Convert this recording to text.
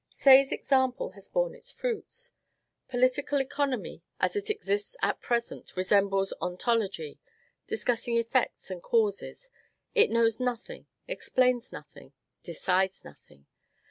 Say's example has borne its fruits. Political economy, as it exists at present, resembles ontology: discussing effects and causes, it knows nothing, explains nothing, decides nothing.